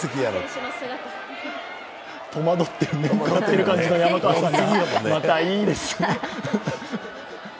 戸惑っている感じの山川さんが、またいいですね。